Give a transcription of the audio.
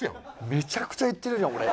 めちゃくちゃ言ってるじゃん俺。